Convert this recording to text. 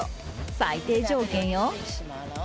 最低条件よ。